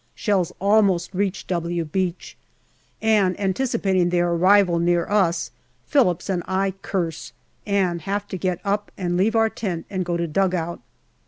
Shells almost reach " W " Beach, and, anticipating their arrival near us, Phillips and I curse, and have to get up and leave our tent and go to dugout.